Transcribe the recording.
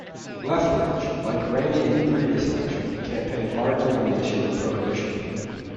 Lethbridge, like Raney in the previous election, campaigned largely on the issue of prohibition.